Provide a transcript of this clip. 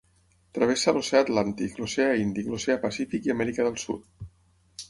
Travessa l'Oceà Atlàntic, l'Oceà Índic, l'Oceà Pacífic i Amèrica del Sud.